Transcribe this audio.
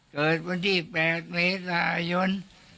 เกิดวันที่๘เมษายน